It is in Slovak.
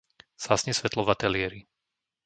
Zhasni svetlo v ateliéri.